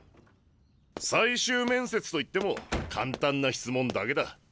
最終面接と言っても簡単な質問だけだ。